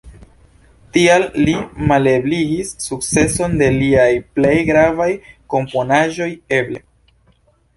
Tial li malebligis sukceson de liaj plej gravaj komponaĵoj eble.